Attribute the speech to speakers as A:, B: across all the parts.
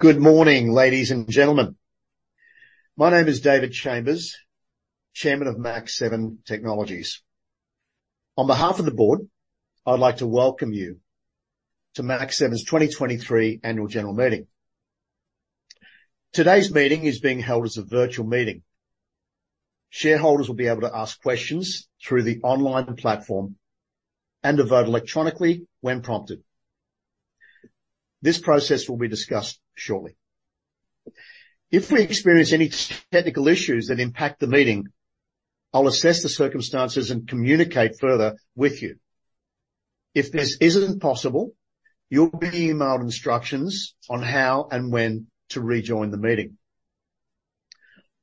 A: Good morning, ladies and gentlemen. My name is David Chambers, Chairman of Mach7 Technologies. On behalf of the board, I'd like to welcome you to Mach7's 2023 annual general meeting. Today's meeting is being held as a virtual meeting. Shareholders will be able to ask questions through the online platform and to vote electronically when prompted. This process will be discussed shortly. If we experience any technical issues that impact the meeting, I'll assess the circumstances and communicate further with you. If this isn't possible, you'll be emailed instructions on how and when to rejoin the meeting.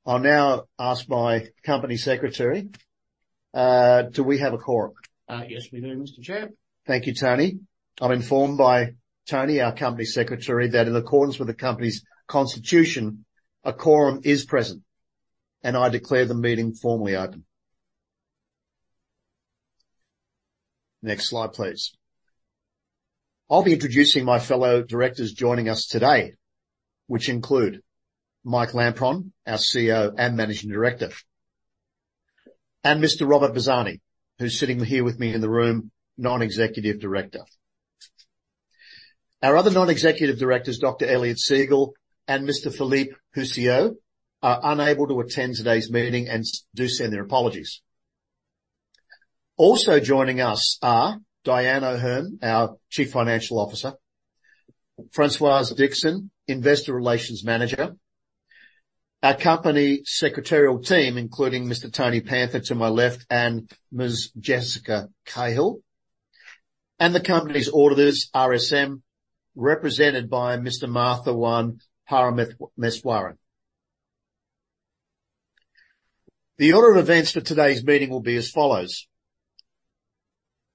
A: I'll now ask my company secretary, do we have a quorum?
B: Yes, we do, Mr. Chair.
A: Thank you, Tony. I'm informed by Tony, our company secretary, that in accordance with the company's constitution, a quorum is present, and I declare the meeting formally open. Next Slide, please. I'll be introducing my fellow directors joining us today, which include Mike Lampron, our CEO and Managing Director, and Mr. Robert Bazzani, who's sitting here with me in the room, Non-Executive Director. Our other non-executive directors, Dr. Eliot Siegel and Mr. Philippe Wolgen, are unable to attend today's meeting and do send their apologies. Also joining us are Dyan O'Herne, our Chief Financial Officer, Françoise Dixon, Investor Relations Manager, our company secretarial team, including Mr. Tony Panther to my left, and Ms. Jessica Cahill, and the company's auditors, RSM, represented by Mr. Mathavan Parameswaran. The order of events for today's meeting will be as follows.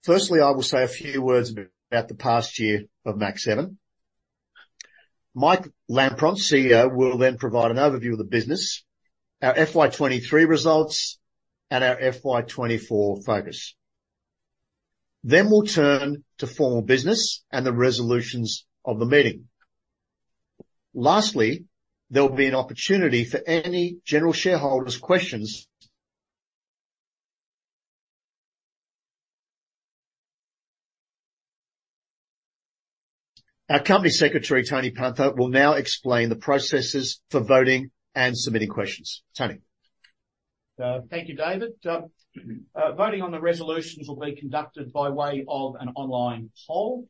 A: Firstly, I will say a few words about the past year of Mach7. Mike Lampron, CEO, will then provide an overview of the business, our FY23 results, and our FY24 focus. Then we'll turn to formal business and the resolutions of the meeting. Lastly, there will be an opportunity for any general shareholders' questions. Our Company Secretary, Tony Panther, will now explain the processes for voting and submitting questions. Tony?
B: Thank you, David. Voting on the resolutions will be conducted by way of an online poll.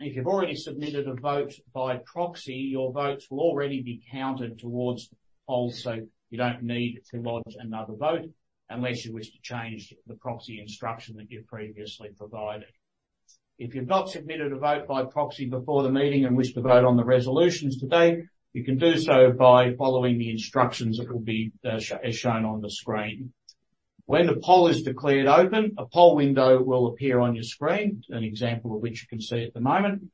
B: If you've already submitted a vote by proxy, your votes will already be counted towards the poll, so you don't need to lodge another vote unless you wish to change the proxy instruction that you've previously provided. If you've not submitted a vote by proxy before the meeting and wish to vote on the resolutions today, you can do so by following the instructions that will be, as shown on the screen. When the poll is declared open, a poll window will appear on your screen, an example of which you can see at the moment.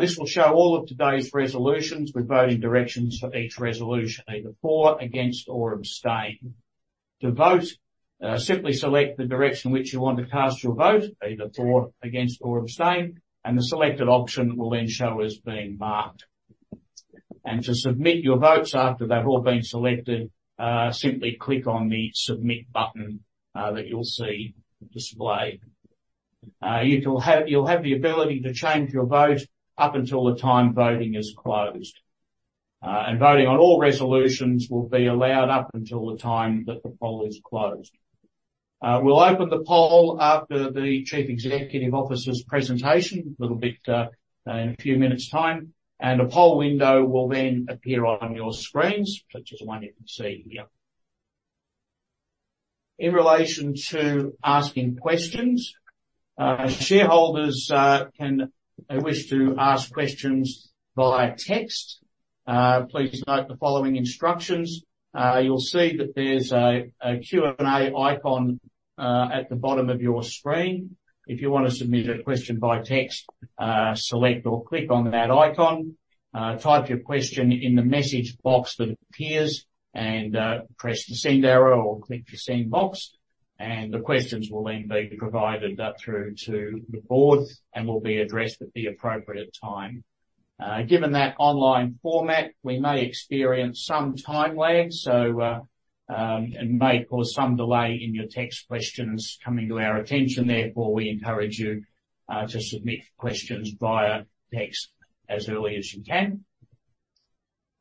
B: This will show all of today's resolutions with voting directions for each resolution, either for, against, or abstain. To vote, simply select the direction in which you want to cast your vote, either for, against, or abstain, and the selected option will then show as being marked. To submit your votes after they've all been selected, simply click on the Submit button that you'll see displayed. You will have—you'll have the ability to change your vote up until the time voting is closed. Voting on all resolutions will be allowed up until the time that the poll is closed. We'll open the poll after the Chief Executive Officer's presentation, a little bit, in a few minutes time, and a poll window will then appear on your screens, such as the one you can see here. In relation to asking questions, shareholders can wish to ask questions via text. Please note the following instructions. You'll see that there's a Q&A icon at the bottom of your screen. If you want to submit a question by text, select or click on that icon, type your question in the message box that appears, and press the Send arrow or click the Send box, and the questions will then be provided through to the board, and will be addressed at the appropriate time. Given that online format, we may experience some time lag, so it may cause some delay in your text questions coming to our attention. Therefore, we encourage you to submit questions via text as early as you can.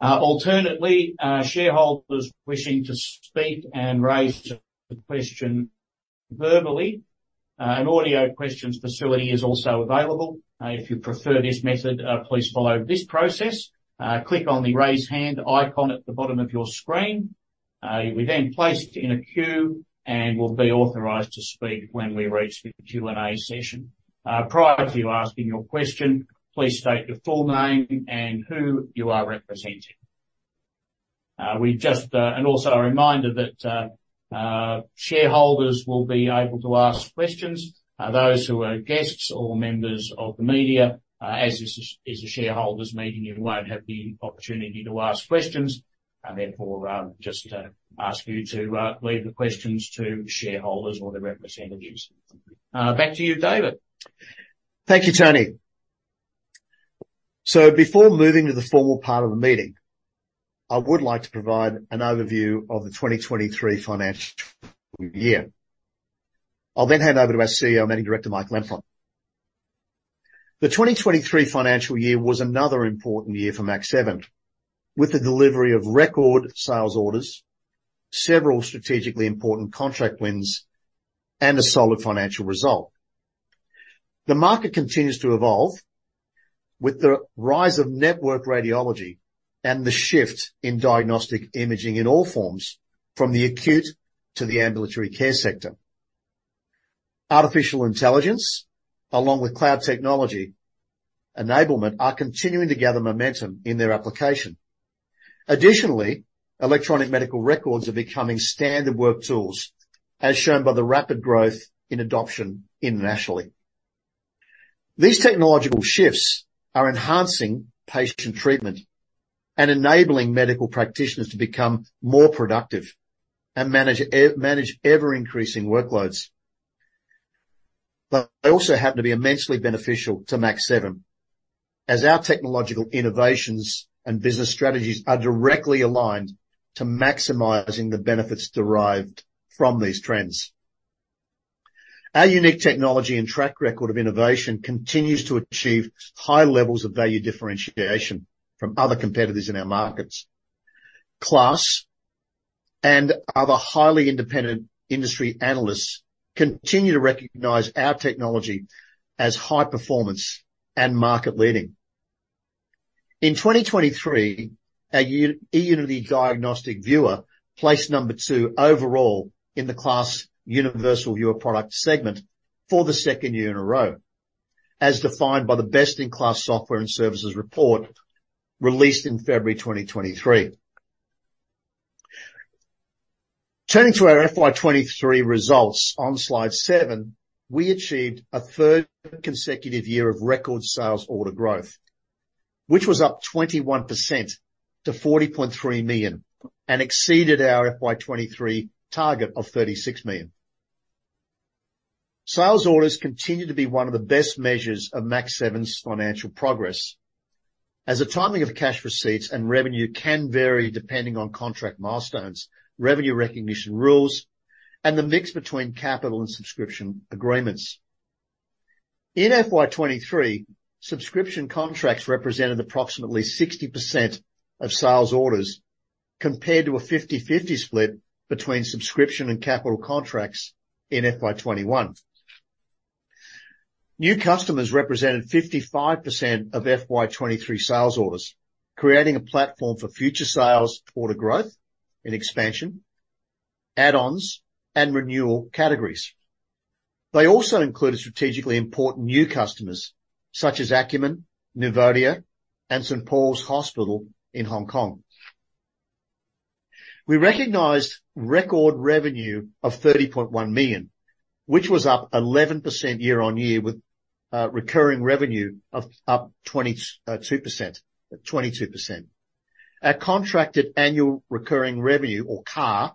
B: Alternately, shareholders wishing to speak and raise a question verbally, an audio questions facility is also available. If you prefer this method, please follow this process. Click on the Raise Hand icon at the bottom of your screen. You'll be then placed in a queue and will be authorized to speak when we reach the Q&A session. Prior to you asking your question, please state your full name and who you are representing. We just... And also a reminder that shareholders will be able to ask questions. Those who are guests or members of the media, as this is a shareholders meeting, you won't have the opportunity to ask questions. Therefore, I'll just ask you to leave the questions to shareholders or their representatives. Back to you, David.
A: Thank you, Tony. So before moving to the formal part of the meeting, I would like to provide an overview of the 2023 financial year. I'll then hand over to our CEO and managing director, Mike Lampron. The 2023 financial year was another important year for Mach7, with the delivery of record sales orders, several strategically important contract wins, and a solid financial result. The market continues to evolve with the rise of network radiology and the shift in diagnostic imaging in all forms, from the acute to the ambulatory care sector. Artificial intelligence, along with cloud technology enablement, are continuing to gather momentum in their application. Additionally, electronic medical records are becoming standard work tools, as shown by the rapid growth in adoption internationally. These technological shifts are enhancing patient treatment and enabling medical practitioners to become more productive and manage ever-increasing workloads. But they also happen to be immensely beneficial to Mach7, as our technological innovations and business strategies are directly aligned to maximizing the benefits derived from these trends. Our unique technology and track record of innovation continues to achieve high levels of value differentiation from other competitors in our markets. KLAS and other highly independent industry analysts continue to recognize our technology as high performance and market leading. In 2023, our eUnity diagnostic viewer placed number 2 overall in the KLAS Universal Viewer product segment for the second year in a row, as defined by the Best in KLAS Software and Services report released in February 2023. Turning to our FY23 results on Slide 7, we achieved a third consecutive year of record sales order growth, which was up 21% to 40.3 million, and exceeded our FY23 target of 36 million. Sales orders continue to be one of the best measures of Mach7's financial progress, as the timing of cash receipts and revenue can vary depending on contract milestones, revenue recognition rules, and the mix between capital and subscription agreements. In FY23, subscription contracts represented approximately 60% of sales orders, compared to a 50/50 split between subscription and capital contracts in FY21. New customers represented 55% of FY23 sales orders, creating a platform for future sales, order growth and expansion, add-ons, and renewal categories. They also included strategically important new customers such as Akumin, Nuvodia, and St. Paul's Hospital in Hong Kong. We recognized record revenue of 30.1 million, which was up 11% year-over-year, with recurring revenue up 22%. Our contracted annual recurring revenue, or CARR,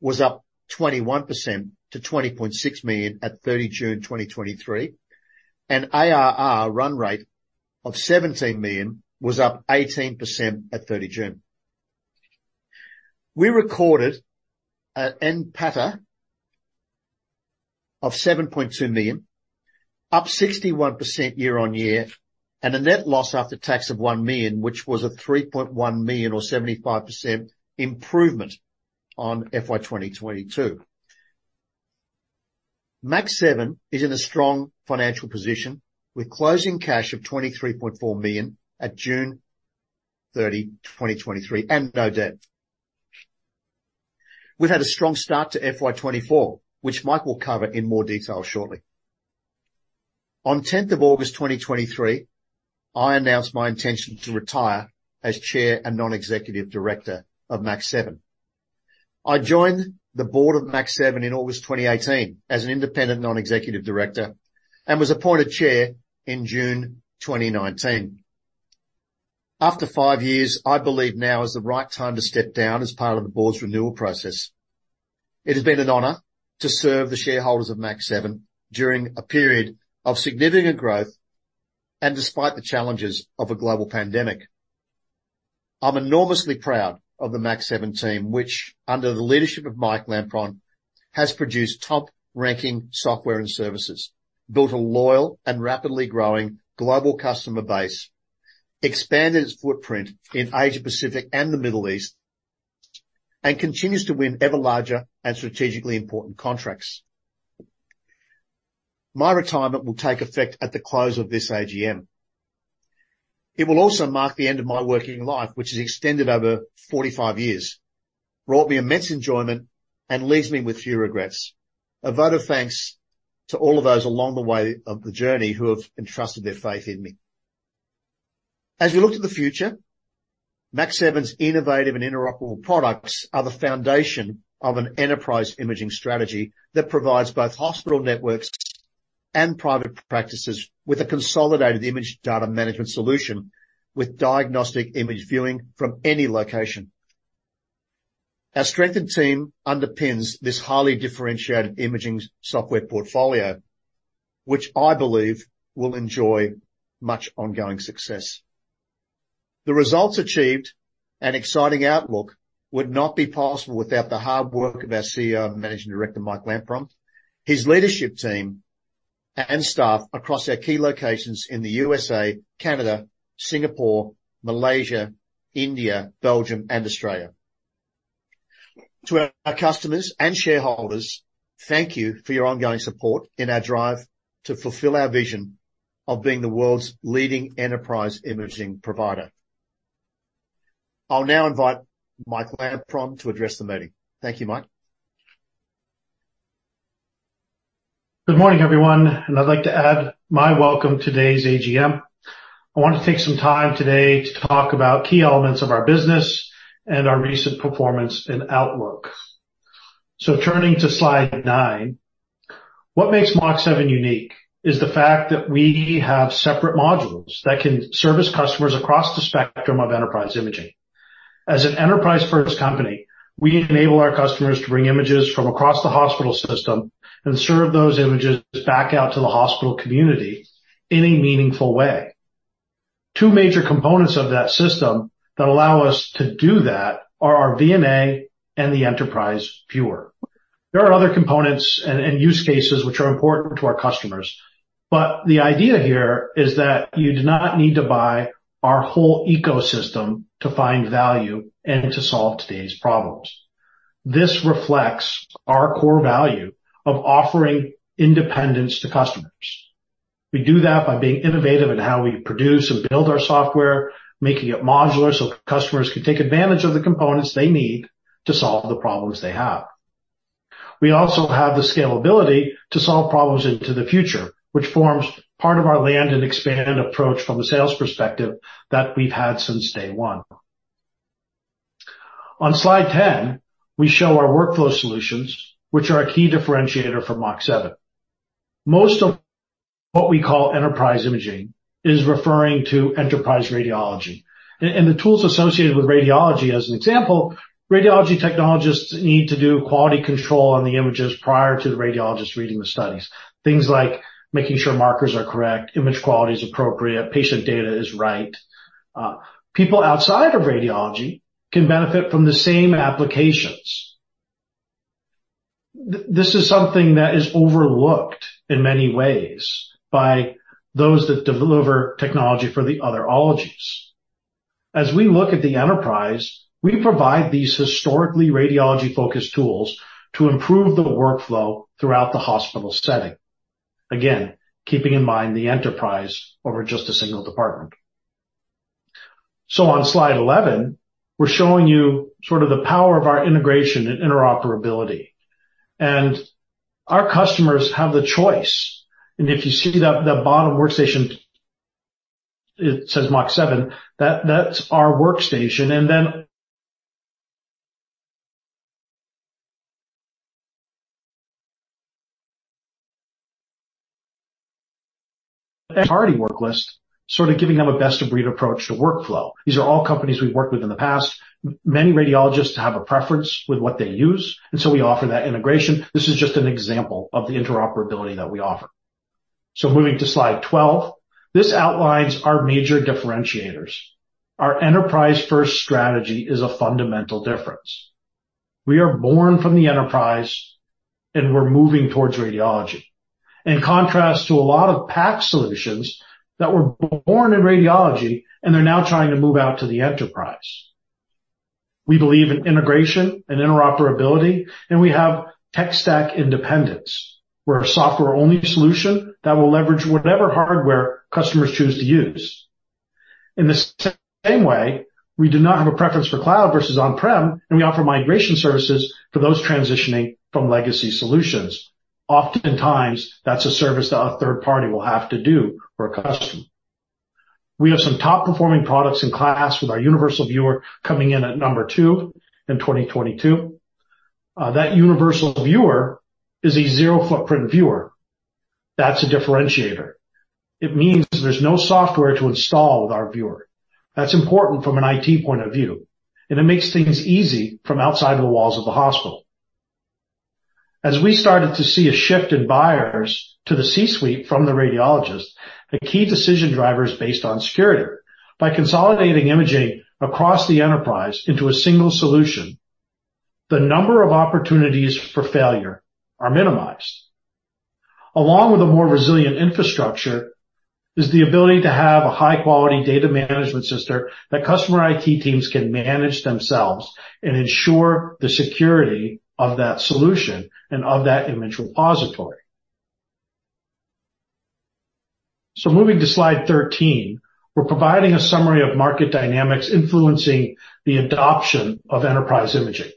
A: was up 21% to 20.6 million at 30 June 2023, and ARR run rate of 17 million was up 18% at 30 June. We recorded an NPATA of 7.2 million, up 61% year-on-year, and a net loss after tax of 1 million, which was a 3.1 million or 75% improvement on FY 2022. Mach7 is in a strong financial position, with closing cash of 23.4 million at 30 June 2023, and no debt. We've had a strong start to FY 2024, which Mike will cover in more detail shortly. On 10 August 2023, I announced my intention to retire as chair and non-executive director of Mach7. I joined the board of Mach7 in August 2018 as an independent non-executive director, and was appointed chair in June 2019. After 5 years, I believe now is the right time to step down as part of the board's renewal process. It has been an honor to serve the shareholders of Mach7 during a period of significant growth, and despite the challenges of a global pandemic. I'm enormously proud of the Mach7 team, which, under the leadership of Mike Lampron, has produced top-ranking software and services, built a loyal and rapidly growing global customer base, expanded its footprint in Asia Pacific and the Middle East, and continues to win ever larger and strategically important contracts. My retirement will take effect at the close of this AGM. It will also mark the end of my working life, which has extended over 45 years, brought me immense enjoyment, and leaves me with few regrets. A vote of thanks to all of those along the way of the journey who have entrusted their faith in me. As we look to the future, Mach7's innovative and interoperable products are the foundation of an enterprise imaging strategy that provides both hospital networks and private practices with a consolidated image data management solution, with diagnostic image viewing from any location.... Our strengthened team underpins this highly differentiated imaging software portfolio, which I believe will enjoy much ongoing success. The results achieved and exciting outlook would not be possible without the hard work of our CEO and Managing Director, Mike Lampron, his leadership team, and staff across our key locations in the USA, Canada, Singapore, Malaysia, India, Belgium and Australia. To our customers and shareholders, thank you for your ongoing support in our drive to fulfill our vision of being the world's leading enterprise imaging provider. I'll now invite Mike Lampron to address the meeting. Thank you, Mike.
C: Good morning, everyone, and I'd like to add my welcome to today's AGM. I want to take some time today to talk about key elements of our business and our recent performance and outlook. So turning to Slide 9, what makes Mach7 unique is the fact that we have separate modules that can service customers across the spectrum of enterprise imaging. As an enterprise-first company, we enable our customers to bring images from across the hospital system and serve those images back out to the hospital community in a meaningful way. 2 major components of that system that allow us to do that are our VNA and the Enterprise Viewer. There are other components and use cases which are important to our customers, but the idea here is that you do not need to buy our whole ecosystem to find value and to solve today's problems. This reflects our core value of offering independence to customers. We do that by being innovative in how we produce and build our software, making it modular so customers can take advantage of the components they need to solve the problems they have. We also have the scalability to solve problems into the future, which forms part of our land and expand approach from a sales perspective that we've had since day one. On Slide 10, we show our workflow solutions, which are a key differentiator for Mach7. Most of what we call enterprise imaging is referring to enterprise radiology. And the tools associated with radiology, as an example, radiology technologists need to do quality control on the images prior to the radiologist reading the studies. Things like making sure markers are correct, image quality is appropriate, patient data is right. People outside of radiology can benefit from the same applications. This is something that is overlooked in many ways by those that deliver technology for the other ologies. As we look at the enterprise, we provide these historically radiology-focused tools to improve the workflow throughout the hospital setting. Again, keeping in mind the enterprise over just a single department. So on Slide 11, we're showing you sort of the power of our integration and interoperability. And our customers have the choice, and if you see the bottom workstation, it says Mach7, that's our workstation. And then third-party worklist, sort of giving them a best-of-breed approach to workflow. These are all companies we've worked with in the past. Many radiologists have a preference with what they use, and so we offer that integration. This is just an example of the interoperability that we offer. So moving to Slide 12, this outlines our major differentiators. Our enterprise-first strategy is a fundamental difference. We are born from the enterprise, and we're moving towards radiology. In contrast to a lot of PACS solutions that were born in radiology, and they're now trying to move out to the enterprise. We believe in integration and interoperability, and we have tech stack independence. We're a software-only solution that will leverage whatever hardware customers choose to use. In the same way, we do not have a preference for cloud versus on-prem, and we offer migration services for those transitioning from legacy solutions. Oftentimes, that's a service that a third party will have to do for a customer. We have some top-performing products in class, with our universal viewer coming in at number 2 in 2022. That universal viewer is a zero-footprint viewer. That's a differentiator. It means there's no software to install with our viewer. That's important from an IT point of view, and it makes things easy from outside the walls of the hospital. As we started to see a shift in buyers to the C-suite from the radiologist, the key decision driver is based on security. By consolidating imaging across the enterprise into a single solution, the number of opportunities for failure are minimized. Along with a more resilient infrastructure, is the ability to have a high-quality data management system that customer IT teams can manage themselves and ensure the security of that solution and of that image repository. So moving to Slide 13, we're providing a summary of market dynamics influencing the adoption of enterprise imaging.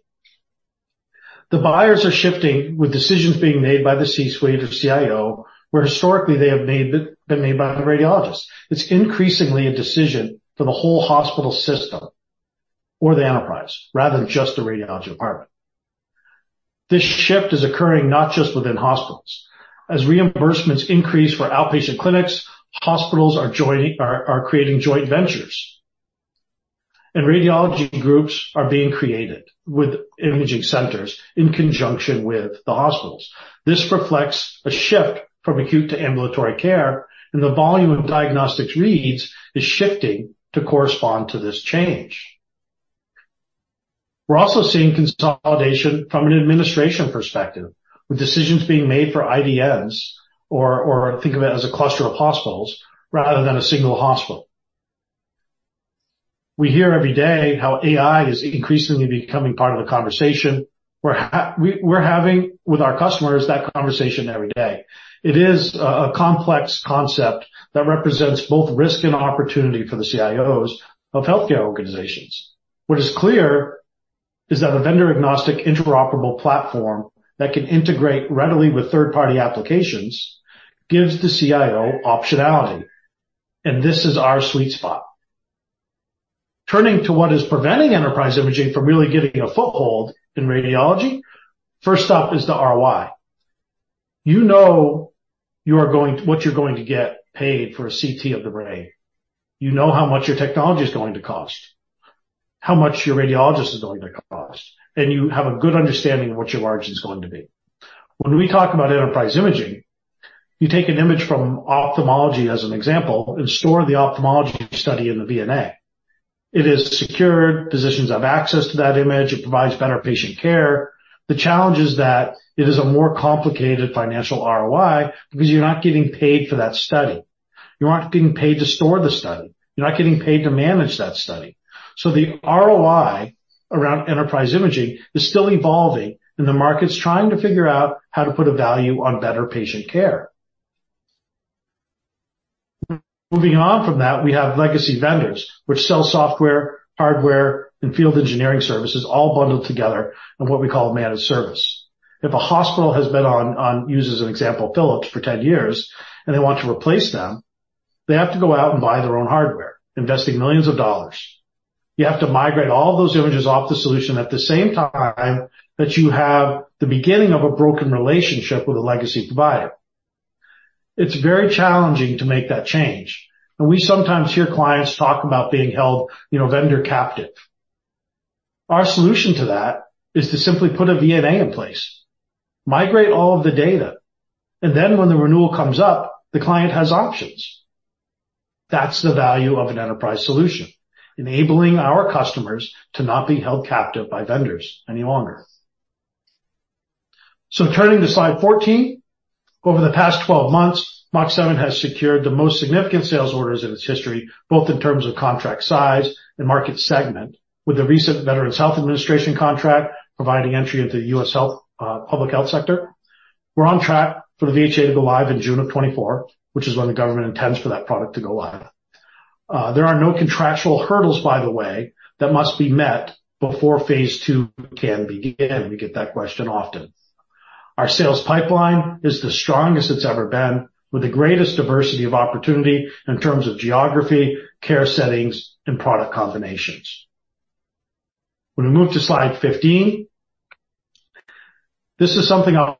C: The buyers are shifting, with decisions being made by the C-suite or CIO, where historically they have been made by the radiologist. It's increasingly a decision for the whole hospital system or the enterprise, rather than just the radiology department. This shift is occurring not just within hospitals. As reimbursements increase for outpatient clinics, hospitals are creating joint ventures, and radiology groups are being created with imaging centers in conjunction with the hospitals. This reflects a shift from acute to ambulatory care, and the volume of diagnostics reads is shifting to correspond to this change. We're also seeing consolidation from an administration perspective, with decisions being made for IDNs, or think of it as a cluster of hospitals rather than a single hospital. We hear every day how AI is increasingly becoming part of the conversation. We're having that conversation with our customers every day. It is a complex concept that represents both risk and opportunity for the CIOs of healthcare organizations. What is clear is that a vendor-agnostic, interoperable platform that can integrate readily with third-party applications gives the CIO optionality, and this is our sweet spot. Turning to what is preventing enterprise imaging from really getting a foothold in radiology. First up is the ROI. You know what you're going to get paid for a CT of the brain. You know how much your technology is going to cost, how much your radiologist is going to cost, and you have a good understanding of what your margin is going to be. When we talk about enterprise imaging, you take an image from ophthalmology, as an example, and store the ophthalmology study in the VNA. It is secure, physicians have access to that image, it provides better patient care. The challenge is that it is a more complicated financial ROI because you're not getting paid for that study. You aren't getting paid to store the study. You're not getting paid to manage that study. So the ROI around enterprise imaging is still evolving, and the market's trying to figure out how to put a value on better patient care. Moving on from that, we have legacy vendors, which sell software, hardware, and field engineering services all bundled together in what we call managed service. If a hospital has been on Philips for 10 years, and they want to replace them, they have to go out and buy their own hardware, investing $ millions. You have to migrate all those images off the solution at the same time that you have the beginning of a broken relationship with a legacy provider. It's very challenging to make that change, and we sometimes hear clients talk about being held, you know, vendor captive. Our solution to that is to simply put a VNA in place, migrate all of the data, and then when the renewal comes up, the client has options. That's the value of an enterprise solution, enabling our customers to not be held captive by vendors any longer. So turning to Slide 14. Over the past 12 months, Mach7 has secured the most significant sales orders in its history, both in terms of contract size and market segment, with the recent Veterans Health Administration contract providing entry into the U.S. public health sector. We're on track for the VHA to go live in June of 2024, which is when the government intends for that product to go live. There are no contractual hurdles, by the way, that must be met before phase two can begin. We get that question often. Our sales pipeline is the strongest it's ever been, with the greatest diversity of opportunity in terms of geography, care settings, and product combinations. When we move to Slide 15, this is something I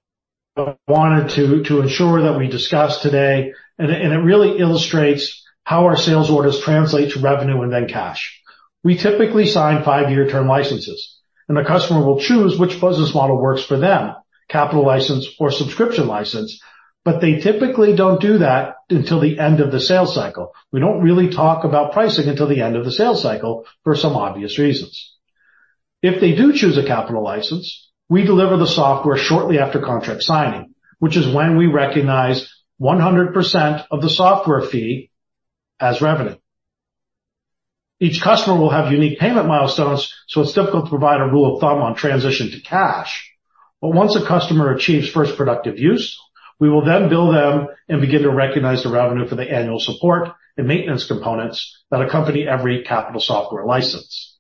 C: wanted to ensure that we discuss today, and it really illustrates how our sales orders translate to revenue and then cash. We typically sign five-year term licenses, and the customer will choose which business model works for them, capital license or subscription license, but they typically don't do that until the end of the sales cycle. We don't really talk about pricing until the end of the sales cycle for some obvious reasons. If they do choose a capital license, we deliver the software shortly after contract signing, which is when we recognize 100% of the software fee as revenue. Each customer will have unique payment milestones, so it's difficult to provide a rule of thumb on transition to cash. But once a customer achieves first productive use, we will then bill them and begin to recognize the revenue for the annual support and maintenance components that accompany every capital software license.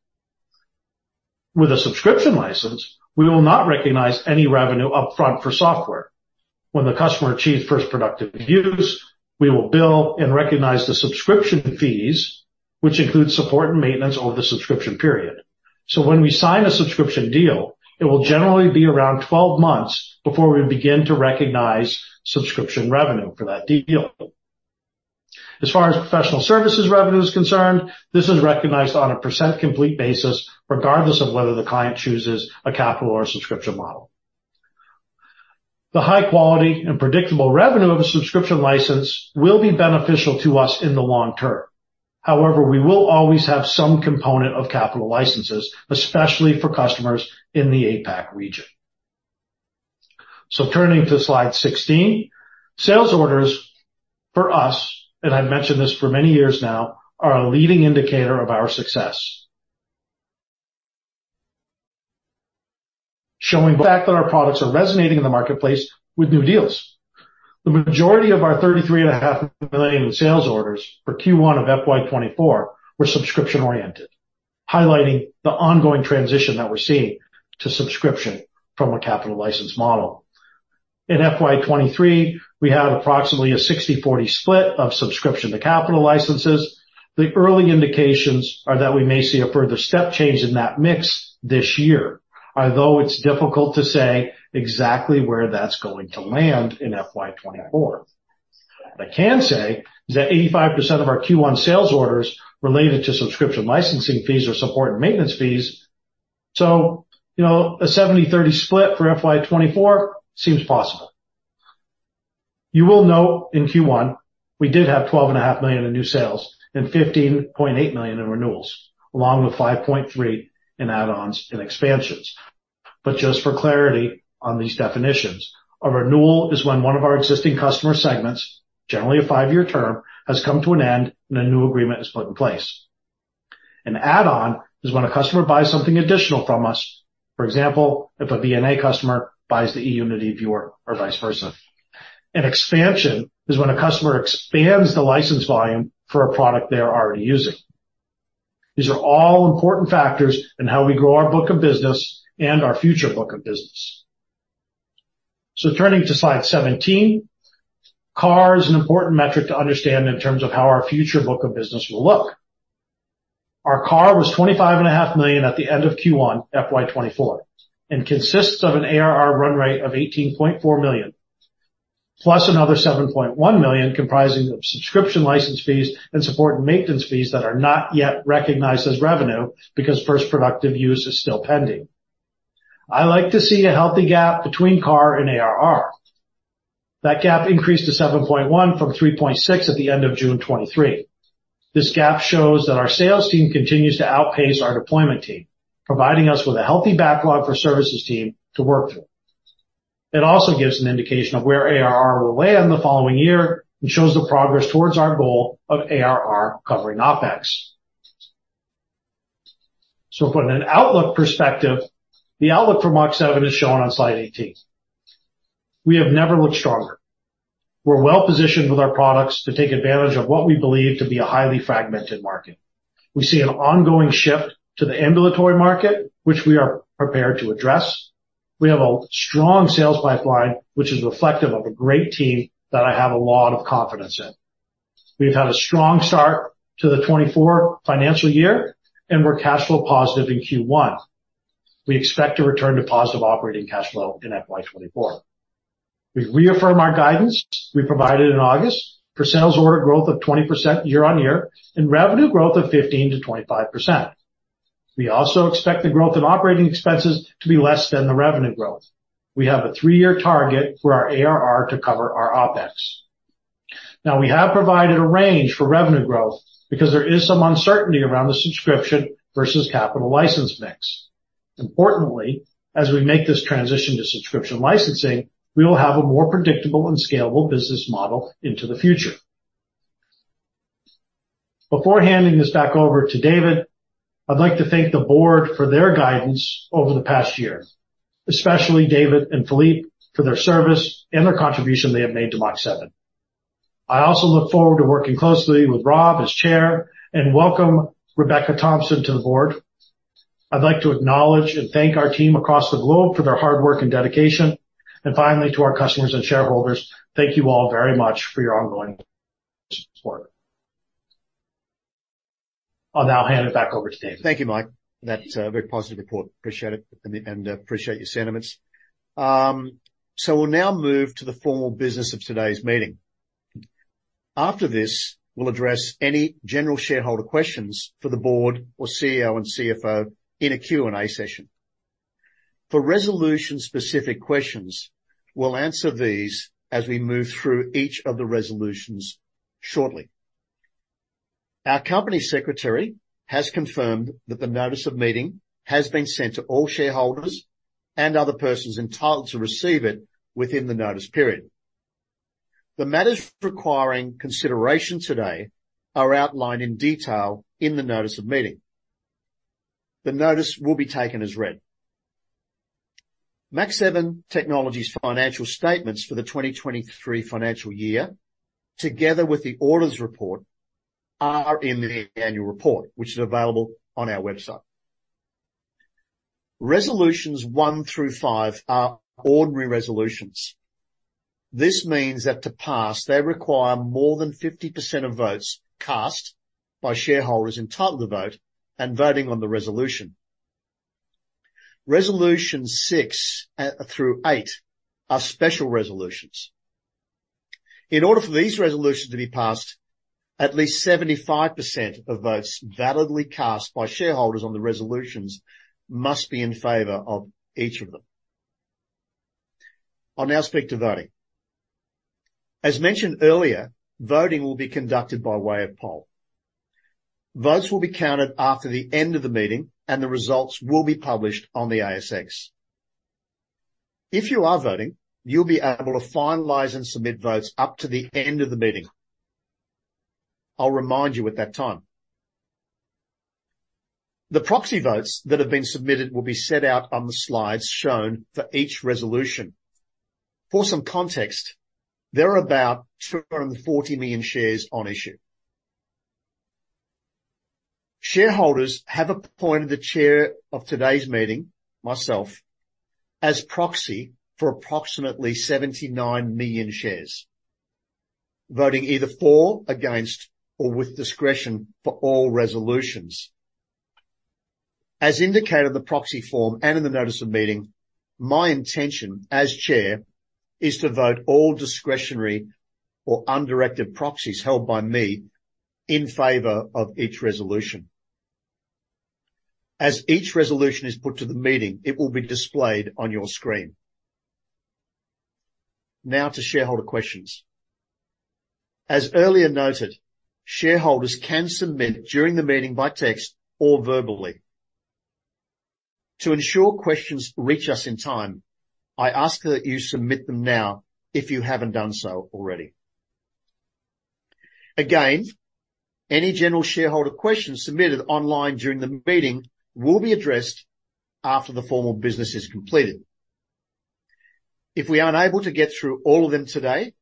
C: With a subscription license, we will not recognize any revenue upfront for software. When the customer achieves first productive use, we will bill and recognize the subscription fees, which include support and maintenance over the subscription period. So when we sign a subscription deal, it will generally be around 12 months before we begin to recognize subscription revenue for that deal. As far as professional services revenue is concerned, this is recognized on a percent complete basis, regardless of whether the client chooses a capital or a subscription model. The high quality and predictable revenue of a subscription license will be beneficial to us in the long term. However, we will always have some component of capital licenses, especially for customers in the APAC region. Turning to Slide 16. Sales orders for us, and I've mentioned this for many years now, are a leading indicator of our success. Showing that our products are resonating in the marketplace with new deals. The majority of our 33.5 million in sales orders for Q1 of FY 2024 were subscription-oriented, highlighting the ongoing transition that we're seeing to subscription from a capital license model... In FY 2023, we had approximately a 60/40 split of subscription to capital licenses. The early indications are that we may see a further step change in that mix this year, although it's difficult to say exactly where that's going to land in FY 2024. What I can say is that 85% of our Q1 sales orders related to subscription licensing fees or support and maintenance fees. So, you know, a 70/30 split for FY 2024 seems possible. You will note in Q1, we did have 12.5 million in new sales and 15.8 million in renewals, along with 5.3 million in add-ons and expansions. But just for clarity on these definitions, a renewal is when one of our existing customer segments, generally a five-year term, has come to an end and a new agreement is put in place. An add-on is when a customer buys something additional from us. For example, if a VNA customer buys the eUnity viewer or vice versa. An expansion is when a customer expands the license volume for a product they are already using. These are all important factors in how we grow our book of business and our future book of business. So turning to Slide 17, CAR is an important metric to understand in terms of how our future book of business will look. Our CAR was 25.5 million at the end of Q1, FY 2024, and consists of an ARR run rate of 18.4 million, plus another 7.1 million, comprising of subscription license fees and support and maintenance fees that are not yet recognized as revenue because first productive use is still pending. I like to see a healthy gap between CAR and ARR. That gap increased to 7.1 from 3.6 at the end of June 2023. This gap shows that our sales team continues to outpace our deployment team, providing us with a healthy backlog for services team to work through. It also gives an indication of where ARR will land the following year and shows the progress towards our goal of ARR covering OpEx. So from an outlook perspective, the outlook for Mach7 is shown on Slide 18. We have never looked stronger. We're well positioned with our products to take advantage of what we believe to be a highly fragmented market. We see an ongoing shift to the ambulatory market, which we are prepared to address. We have a strong sales pipeline, which is reflective of a great team that I have a lot of confidence in. We've had a strong start to the 2024 financial year, and we're cash flow positive in Q1. We expect to return to positive operating cash flow in FY 2024. We reaffirm our guidance we provided in August for sales order growth of 20% year-on-year and revenue growth of 15%-25%. We also expect the growth in operating expenses to be less than the revenue growth. We have a 3-year target for our ARR to cover our OpEx. Now, we have provided a range for revenue growth because there is some uncertainty around the subscription versus capital license mix. Importantly, as we make this transition to subscription licensing, we will have a more predictable and scalable business model into the future. Before handing this back over to David, I'd like to thank the board for their guidance over the past year, especially David and Philippe, for their service and the contribution they have made to Mach7. I also look forward to working closely with Rob as chair, and welcome Rebecca Thompson to the board. I'd like to acknowledge and thank our team across the globe for their hard work and dedication. Finally, to our customers and shareholders, thank you all very much for your ongoing support. I'll now hand it back over to David.
A: Thank you, Mike, for that very positive report. Appreciate it and appreciate your sentiments. So we'll now move to the formal business of today's meeting. After this, we'll address any general shareholder questions for the board or CEO and CFO in a Q&A session. For resolution-specific questions, we'll answer these as we move through each of the resolutions shortly. Our company secretary has confirmed that the notice of meeting has been sent to all shareholders and other persons entitled to receive it within the notice period. The matters requiring consideration today are outlined in detail in the notice of meeting. The notice will be taken as read. Mach7 Technologies' financial statements for the 2023 financial year, together with the auditor's report, are in the annual report, which is available on our website. Resolutions one through five are ordinary resolutions. This means that to pass, they require more than 50% of votes cast by shareholders entitled to vote and voting on the resolution. Resolutions 6 through 8 are special resolutions. In order for these resolutions to be passed, at least 75% of votes validly cast by shareholders on the resolutions must be in favor of each of them. I'll now speak to voting. As mentioned earlier, voting will be conducted by way of poll. Votes will be counted after the end of the meeting, and the results will be published on the ASX. If you are voting, you'll be able to finalize and submit votes up to the end of the meeting. I'll remind you at that time. The proxy votes that have been submitted will be set out on the Slides shown for each resolution. For some context, there are about 240 million shares on issue. Shareholders have appointed the chair of today's meeting, myself, as proxy for approximately 79 million shares, voting either for, against, or with discretion for all resolutions. As indicated in the proxy form and in the notice of meeting, my intention as chair is to vote all discretionary or undirected proxies held by me in favor of each resolution. As each resolution is put to the meeting, it will be displayed on your screen. Now to shareholder questions. As earlier noted, shareholders can submit during the meeting by text or verbally. To ensure questions reach us in time, I ask that you submit them now if you haven't done so already. Again, any general shareholder questions submitted online during the meeting will be addressed after the formal business is completed. If we are unable to get through all of them today,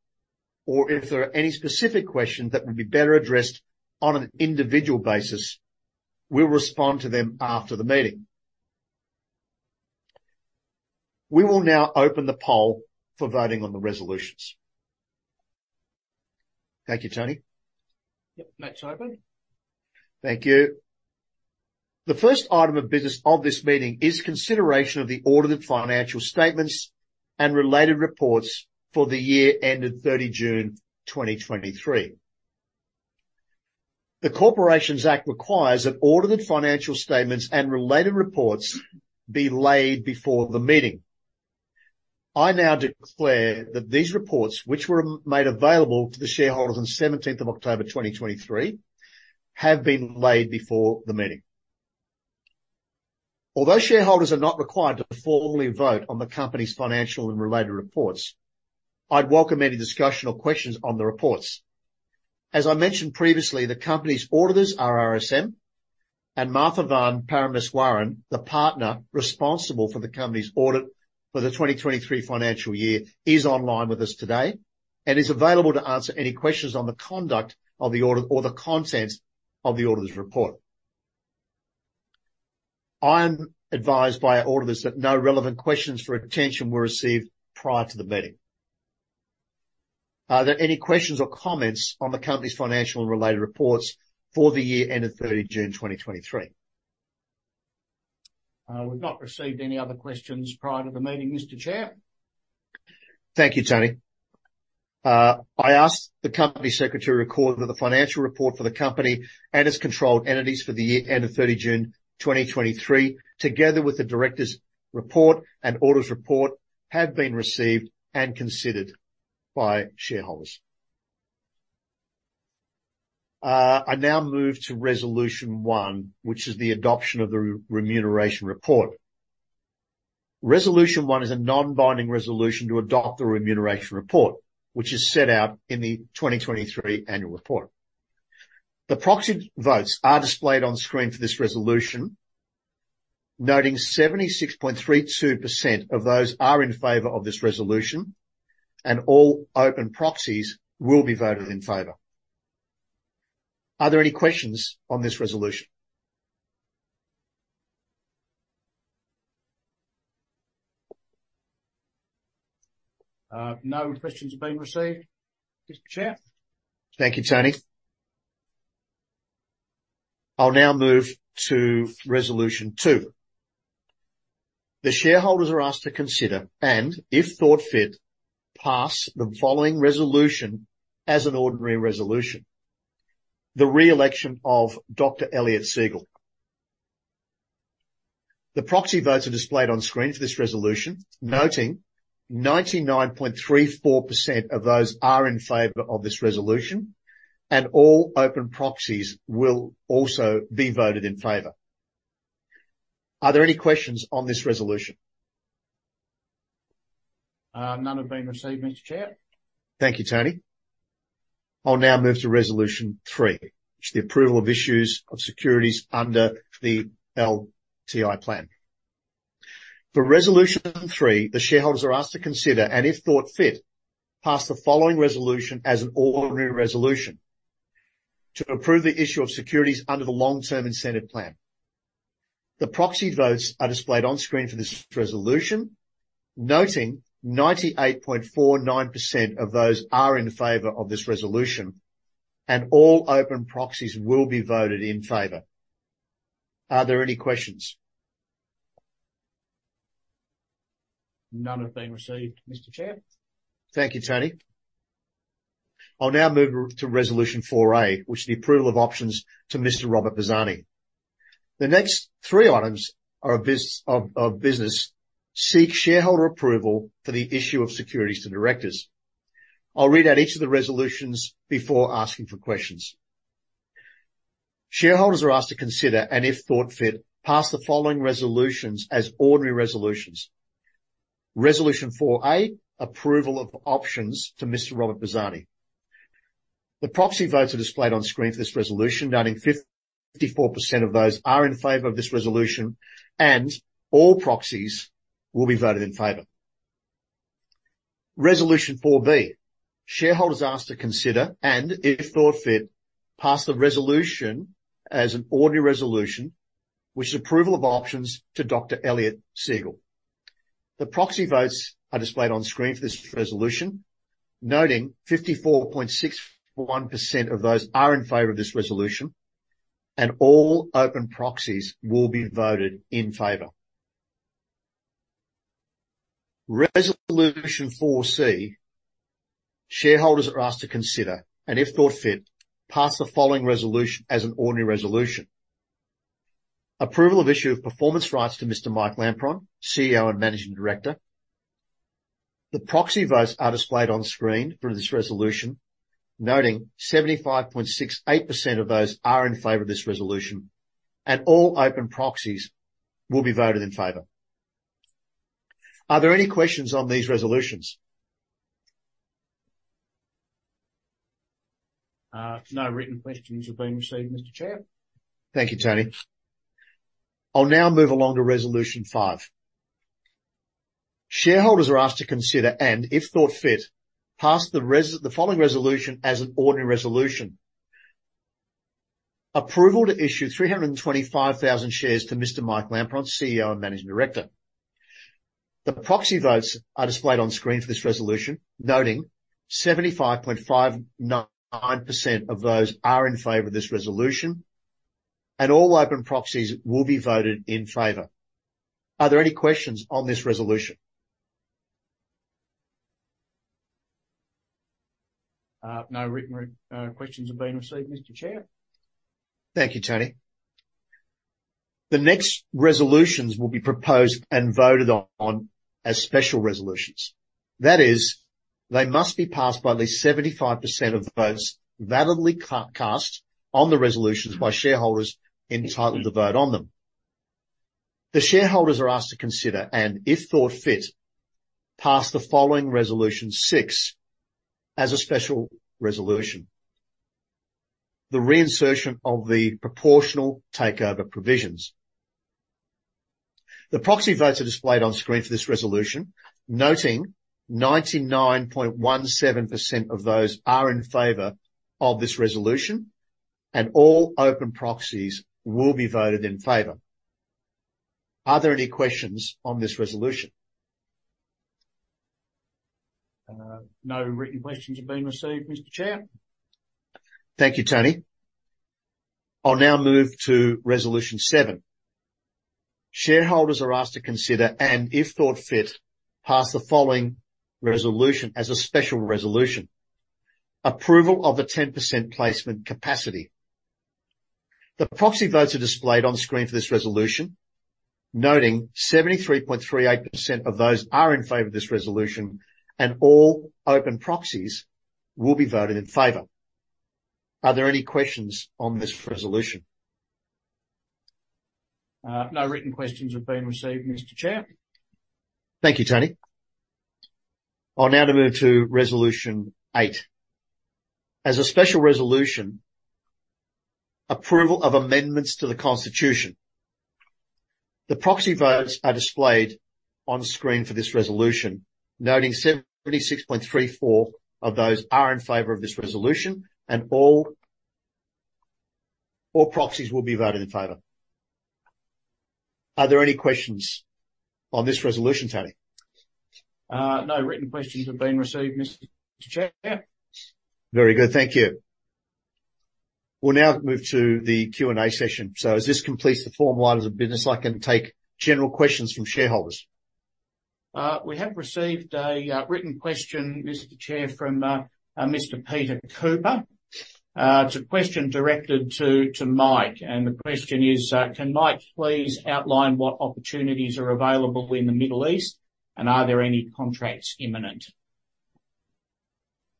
A: or if there are any specific questions that would be better addressed on an individual basis, we'll respond to them after the meeting. We will now open the poll for voting on the resolutions. Thank you, Tony.
B: Yep. Mike's open.
A: Thank you. The first item of business of this meeting is consideration of the audited financial statements and related reports for the year ended 30 June 2023. The Corporations Act requires that audited financial statements and related reports be laid before the meeting. I now declare that these reports, which were made available to the shareholders on 17th of October 2023, have been laid before the meeting. Although shareholders are not required to formally vote on the company's financial and related reports, I'd welcome any discussion or questions on the reports. As I mentioned previously, the company's auditors are RSM, and Mathavan Parameswaran, the partner responsible for the company's audit for the 2023 financial year, is online with us today and is available to answer any questions on the conduct of the audit or the contents of the auditor's report. I am advised by our auditors that no relevant questions for attention were received prior to the meeting. Are there any questions or comments on the company's financial and related reports for the year ended 30 June 2023?
B: We've not received any other questions prior to the meeting, Mr. Chair.
A: Thank you, Tony. I ask the company secretary to record that the financial report for the company and its controlled entities for the year ended 30 June 2023, together with the directors' report and auditor's report, have been received and considered by shareholders. I now move to resolution one, which is the adoption of the remuneration report. Resolution one is a non-binding resolution to adopt the remuneration report, which is set out in the 2023 annual report. The proxy votes are displayed on screen for this resolution, noting 76.32% of those are in favor of this resolution, and all open proxies will be voted in favor. Are there any questions on this resolution?
B: No questions have been received, Mr. Chair.
A: Thank you, Tony. I'll now move to resolution 2. The shareholders are asked to consider, and if thought fit, pass the following resolution as an ordinary resolution, the re-election of Dr. Eliot Siegel. The proxy votes are displayed on screen for this resolution, noting 99.34% of those are in favor of this resolution, and all open proxies will also be voted in favor. Are there any questions on this resolution?
B: None have been received, Mr. Chair.
A: Thank you, Tony. I'll now move to resolution three, which is the approval of issues of securities under the LTI Plan. For resolution three, the shareholders are asked to consider, and if thought fit, pass the following resolution as an ordinary resolution to approve the issue of securities under the Long-Term Incentive Plan. The proxy votes are displayed on screen for this resolution, noting 98.49% of those are in favor of this resolution, and all open proxies will be voted in favor. Are there any questions?
B: None have been received, Mr. Chair.
A: Thank you, Tony. I'll now move to resolution 4A, which is the approval of options to Mr. Robert Bazzani. The next three items are of business, seek shareholder approval for the issue of securities to directors. I'll read out each of the resolutions before asking for questions. Shareholders are asked to consider, and if thought fit, pass the following resolutions as ordinary resolutions. Resolution 4A, approval of options to Mr. Robert Bazzani. The proxy votes are displayed on screen for this resolution, noting 54% of those are in favor of this resolution, and all proxies will be voted in favor. Resolution 4B. Shareholders are asked to consider, and if thought fit, pass the resolution as an ordinary resolution, which is approval of options to Dr. Eliot Siegel. The proxy votes are displayed on screen for this resolution, noting 54.61% of those are in favor of this resolution, and all open proxies will be voted in favor. Resolution 4C, shareholders are asked to consider, and if thought fit, pass the following resolution as an ordinary resolution. Approval of issue of performance rights to Mr. Mike Lampron, CEO and Managing Director. The proxy votes are displayed on screen for this resolution, noting 75.68% of those are in favor of this resolution, and all open proxies will be voted in favor. Are there any questions on these resolutions?
B: No written questions have been received, Mr. Chair.
A: Thank you, Tony. I'll now move along to resolution five. Shareholders are asked to consider, and if thought fit, pass the following resolution as an ordinary resolution. Approval to issue 325,000 shares to Mr. Mike Lampron, CEO and Managing Director. The proxy votes are displayed on screen for this resolution, noting 75.59% of those are in favor of this resolution, and all open proxies will be voted in favor. Are there any questions on this resolution?
B: No written questions have been received, Mr. Chair.
A: Thank you, Tony. The next resolutions will be proposed and voted on as special resolutions. That is, they must be passed by at least 75% of the votes validly cast on the resolutions by shareholders entitled to vote on them. The shareholders are asked to consider, and if thought fit, pass the following resolution 6 as a special resolution. The reinsertion of the proportional takeover provisions. The proxy votes are displayed on screen for this resolution, noting 99.17% of those are in favor of this resolution, and all open proxies will be voted in favor. Are there any questions on this resolution?
B: No written questions have been received, Mr. Chair.
A: Thank you, Tony. I'll now move to resolution 7. Shareholders are asked to consider, and if thought fit, pass the following resolution as a special resolution. Approval of the 10% placement capacity. The proxy votes are displayed on screen for this resolution, noting 73.38% of those are in favor of this resolution, and all open proxies will be voted in favor. Are there any questions on this resolution?
B: No written questions have been received, Mr. Chair.
A: Thank you, Tony. I'll now to move to resolution 8. As a special resolution, approval of amendments to the Constitution. The proxy votes are displayed on screen for this resolution, noting 76.34% of those are in favor of this resolution, and all, all proxies will be voted in favor. Are there any questions on this resolution, Tony?
B: No written questions have been received, Mr. Chair.
A: Very good. Thank you. We'll now move to the Q&A session. As this completes the formal items of business, I can take general questions from shareholders.
B: We have received a written question, Mr. Chair, from Mr. Peter Cooper. It's a question directed to Mike, and the question is: "Can Mike please outline what opportunities are available in the Middle East, and are there any contracts imminent?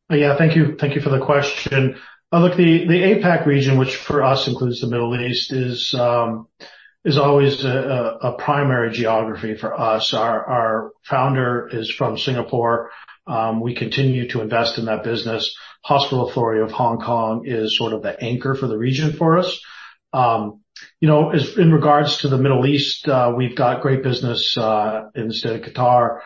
C: Yeah, thank you. Thank you for the question. Look, the, the APAC region, which for us includes the Middle East, is, is always a, a, a primary geography for us. Our, our founder is from Singapore. We continue to invest in that business. Hospital Authority of Hong Kong is sort of the anchor for the region for us. You know, as in regards to the Middle East, we've got great business, in the state of Qatar.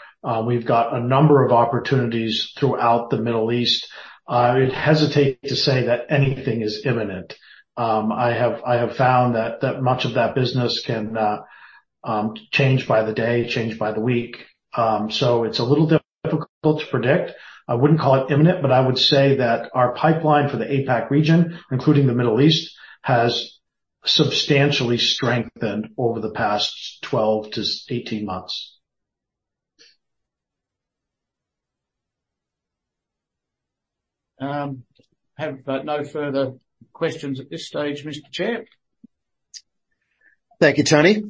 C: We've got a number of opportunities throughout the Middle East. I'd hesitate to say that anything is imminent. I have, I have found that, that much of that business can, change by the day, change by the week. So it's a little difficult to predict. I wouldn't call it imminent, but I would say that our pipeline for the APAC region, including the Middle East, has substantially strengthened over the past 12-18 months.
B: I have no further questions at this stage, Mr. Chair.
A: Thank you, Tony.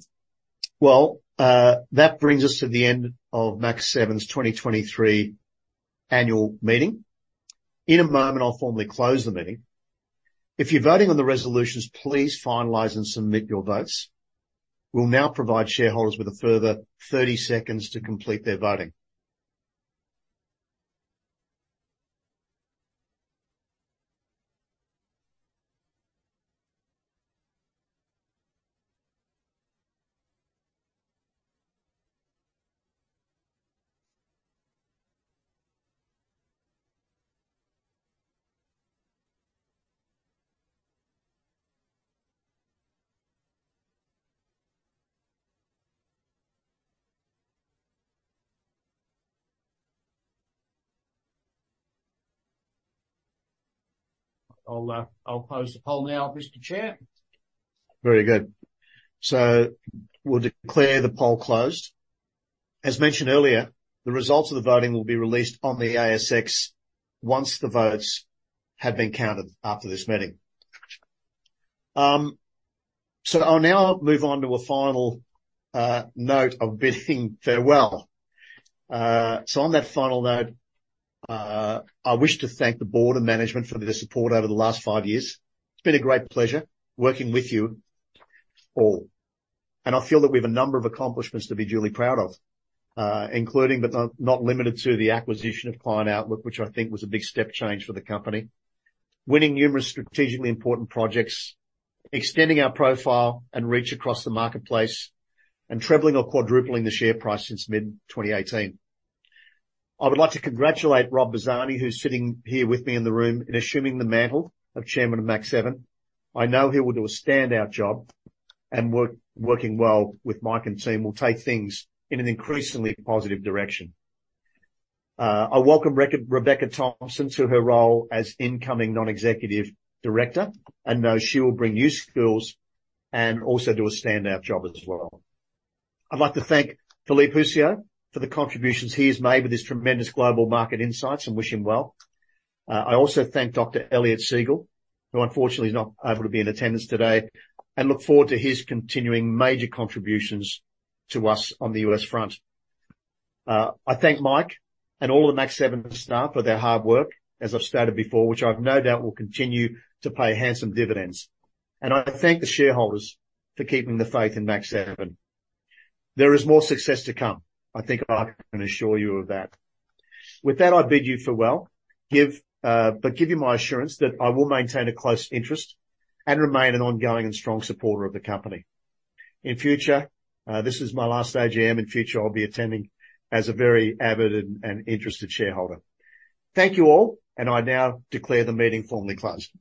A: Well, that brings us to the end of Mach7's 2023 annual meeting. In a moment, I'll formally close the meeting. If you're voting on the resolutions, please finalize and submit your votes. We'll now provide shareholders with a further 30 seconds to complete their voting. ...
B: I'll, I'll close the poll now, Mr. Chair.
A: Very good. So we'll declare the poll closed. As mentioned earlier, the results of the voting will be released on the ASX once the votes have been counted after this meeting. So I'll now move on to a final note of bidding farewell. So on that final note, I wish to thank the board and management for their support over the last five years. It's been a great pleasure working with you all, and I feel that we have a number of accomplishments to be duly proud of, including, but not limited to, the acquisition of Client Outlook, which I think was a big step change for the company. Winning numerous strategically important projects, extending our profile and reach across the marketplace, and trebling or quadrupling the share price since mid-2018. I would like to congratulate Rob Bazzani, who's sitting here with me in the room, in assuming the mantle of chairman of Mach7. I know he will do a standout job, and working well with Mike and team will take things in an increasingly positive direction. I welcome Rebecca Thompson to her role as incoming non-executive director, and know she will bring new skills and also do a standout job as well. I'd like to thank Philippe Wolgen for the contributions he has made with his tremendous global market insights and wish him well. I also thank Dr. Eliot Siegel, who unfortunately is not able to be in attendance today, and look forward to his continuing major contributions to us on the U.S. front. I thank Mike and all the Mach7 staff for their hard work, as I've stated before, which I've no doubt will continue to pay handsome dividends. I thank the shareholders for keeping the faith in Mach7. There is more success to come. I think I can assure you of that. With that, I bid you farewell. Give, but give you my assurance that I will maintain a close interest and remain an ongoing and strong supporter of the company. In future, this is my last AGM. In future, I'll be attending as a very avid and interested shareholder. Thank you all, and I now declare the meeting formally closed.